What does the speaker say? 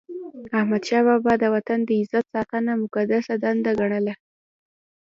احمدشاه بابا د وطن د عزت ساتنه مقدسه دنده ګڼله.